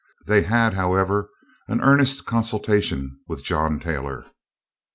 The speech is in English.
They had, however, an earnest consultation with John Taylor.